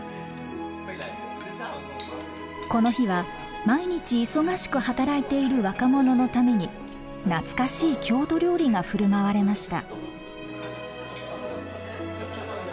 この日は毎日忙しく働いている若者のために懐かしい郷土料理が振る舞われました。